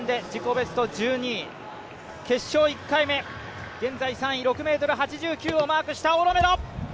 ベスト１２位、決勝１回目、現在３位、６ｍ８９をマークしたオロ・メロ。